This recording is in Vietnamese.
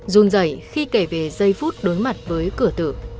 run dày khi kể về giây phút đối mặt với cửa tử